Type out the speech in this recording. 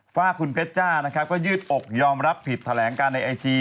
ฝากคุณเพชรจ้านะครับก็ยืดอกยอมรับผิดแถลงการในไอจี